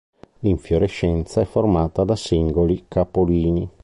L'infiorescenza è formata da singoli capolini.